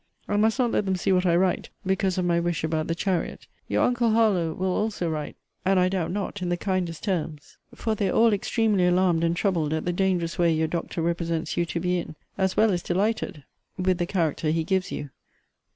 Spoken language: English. I must not let them see what I write, because of my wish about the chariot. Your uncle Harlowe will also write, and (I doubt not) in the kindest terms: for they are all extremely alarmed and troubled at the dangerous way your doctor represents you to be in; as well as delighted with the character he gives you.